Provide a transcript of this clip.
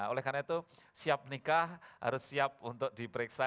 oleh karena itu siap nikah harus siap untuk diperiksa